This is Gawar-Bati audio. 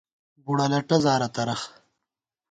بُڑہ لٹہ زارہ ترَخ